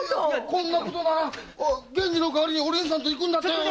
こんなことなら源次の代わりにお凛さんと行くんだったよ！